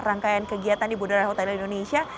rangkaian kegiatan di bunda rokodala indonesia